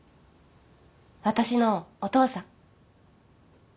私のお父さん。